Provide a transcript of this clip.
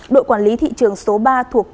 đội quản lý thị trường số ba thuộc tp hcm